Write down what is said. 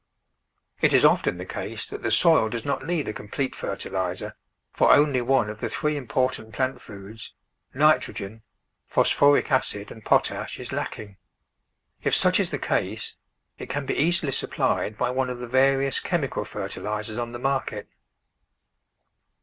It is often the case that the soil does not need a complete fertiliser, for only one of the three im portant plant foods — nitrogen, phosphoric acid and potash — is lacking. If such is the case, it can be easily supplied by one of the various chemical fer tilisers on the market.